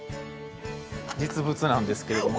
実物なんですけども。